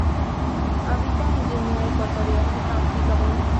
Habita en Guinea Ecuatorial y Gabón.